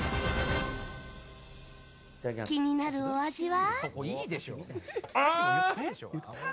気になるお味は。